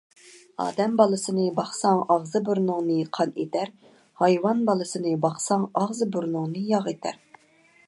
ئادەم بالىسىنى باقساڭ ئاغزى-بۇرنۇڭنى قان ئېتەر، ھايۋان بالىسىنى باقساڭ ئاغزى-بۇرنۇڭنى ياغ ئېتەر.